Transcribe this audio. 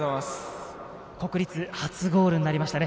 国立初ゴールとなりましたね。